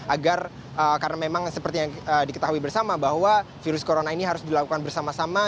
agar karena memang seperti yang diketahui bersama bahwa virus corona ini harus dilakukan bersama sama